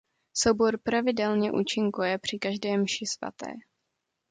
Soubor pravidelně účinkuje při každé mši svaté.